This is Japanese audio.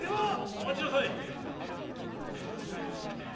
・お待ちなさい！